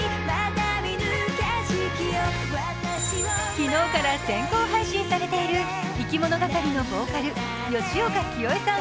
昨日から先行配信されているいきものがかりのボーカル、吉岡聖恵さん